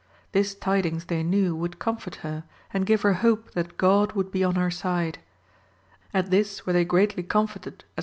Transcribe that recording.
This tidings they knew would comfort her, and give her hope that God would be on her side. At this were they greatly comforted as.